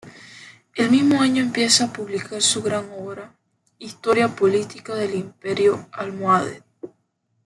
El mismo año empieza a publicar su gran obra "Historia política del Imperio Almohade".